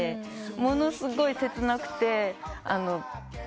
ものすごい切なくて。